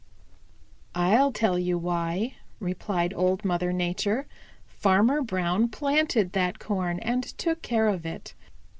"I'll tell you why," replied Old Mother Nature. "Farmer Brown planted that corn and took care of it.